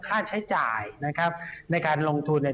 ค่าใช้จ่ายนะครับในการลงทุนเนี่ย